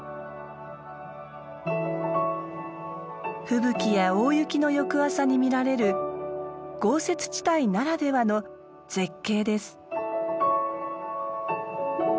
吹雪や大雪の翌朝に見られる豪雪地帯ならではの絶景です。